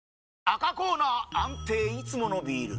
赤コーナー安定いつものビール！